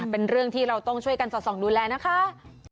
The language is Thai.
เป็นเรื่องที่เราต้องช่วยกันสอดส่องดูแลนะคะ